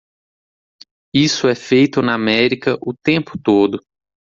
Isso é feito na América o tempo todo.